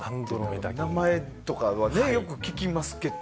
名前とかはよく聞きますけど。